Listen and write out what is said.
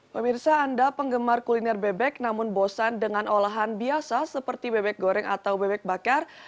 pemirsa anda penggemar kuliner bebek namun bosan dengan olahan biasa seperti bebek goreng atau bebek bakar